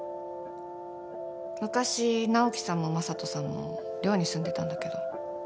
昔直樹さんもＭａｓａｔｏさんも寮に住んでたんだけど。